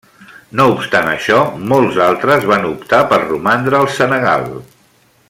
No obstant això, molts altres van optar per romandre al Senegal.